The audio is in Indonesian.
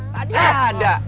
tadi gak ada